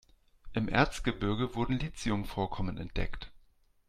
Im Erzgebirge wurden Lithium-Vorkommen entdeckt.